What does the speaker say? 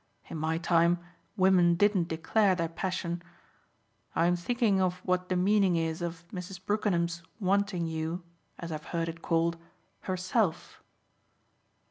In my time women didn't declare their passion. I'm thinking of what the meaning is of Mrs. Brookenham's wanting you as I've heard it called herself."